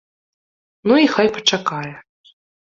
Ну і хай пачакае.